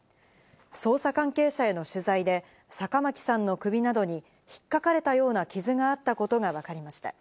捜査関係者への取材で、坂巻さんの首などに引っかかれたような傷があったことがわかりました。